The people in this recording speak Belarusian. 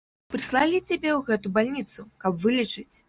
Прыслалі цябе ў гэту бальніцу, каб вылечыць.